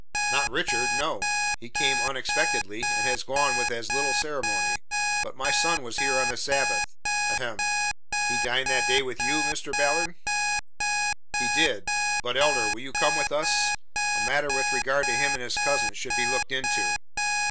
"Not Richard, no. He came unexpectedly and has gone with as little ceremony, but my son was here on the Sabbath ahem He dined that day with you, Mr. Ballard?" "He did but Elder, will you come with us? A matter with regard to him and his cousin should be looked into."